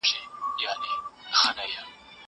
زه پرون موټر کاروم!!